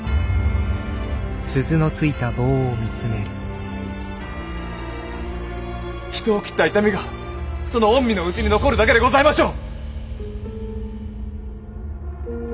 回想人を斬った痛みがその御身の内に残るだけでございましょう！